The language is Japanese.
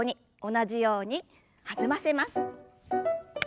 同じように弾ませます。